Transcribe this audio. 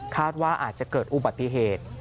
ว่าอาจจะเกิดอุบัติเหตุ